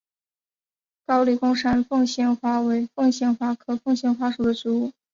高黎贡山凤仙花为凤仙花科凤仙花属的植物。